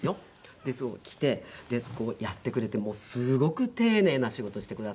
で来てやってくれてすごく丁寧な仕事してくだすって。